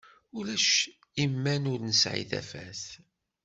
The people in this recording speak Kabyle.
Ulac iman ur nesɛi tafat.